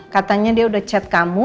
katanya dia udah chat kamu